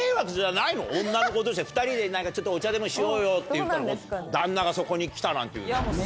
女の子同士で２人でちょっとお茶でもしようよって言ったら旦那がそこに来たなんていうのは。